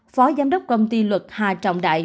phó giám đốc công ty luật hà trọng đại